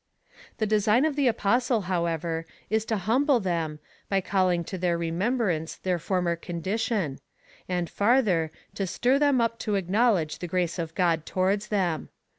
The design of the Apostle, however, is to humble them, by calling to their remembrance their former condition ; and, farther, to stir them up to acknowledge the grace of God towards them.